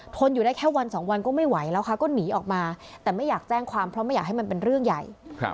อยู่ได้แค่วันสองวันก็ไม่ไหวแล้วค่ะก็หนีออกมาแต่ไม่อยากแจ้งความเพราะไม่อยากให้มันเป็นเรื่องใหญ่